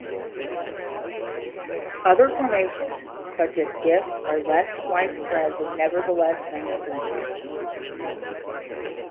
Other formations, such as "gift", are less widespread but nevertheless mainstream.